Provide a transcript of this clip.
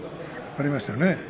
ありましたね。